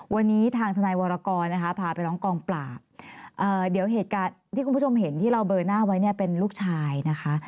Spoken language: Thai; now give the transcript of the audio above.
วันนี้ทางทนายวรกรนะคะพาไปร้องกองปราบเดี๋ยวเหตุการณ์ที่คุณผู้ชมเห็นที่เราเบอร์หน้าไว้เนี่ยเป็นลูกชายนะคะ